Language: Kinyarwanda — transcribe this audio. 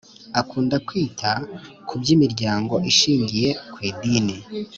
Akunda kwita ku by’imiryango ishingiye ku Idini